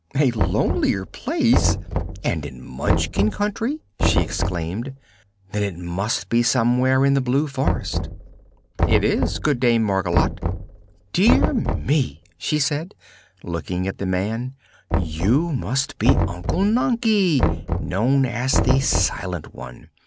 "A lonelier place! And in the Munchkin Country?" she exclaimed. "Then it must be somewhere in the Blue Forest." "It is, good Dame Margolotte." "Dear me!" she said, looking at the man, "you must be Unc Nunkie, known as the Silent One."